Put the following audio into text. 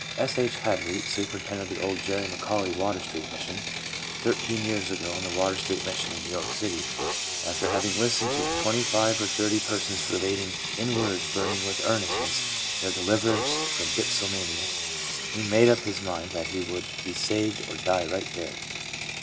S. H. Hadley, superintendent of the old Jerry McAuley Water Street Mission :— Thirteen years ago, in the Water Street Mission in New York city, after having listened to twenty five or thirty persons relating in words burning with earnestness their deliverance from dypsomania, he made up his mind that he "would be saved or die right there!"